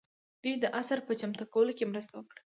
دوی د اثر په چمتو کولو کې مرسته وکړه.